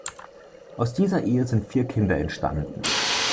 Aus dieser Ehe sind vier Kinder entstanden.